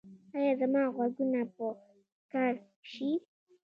ایا زما غوږونه به کڼ شي؟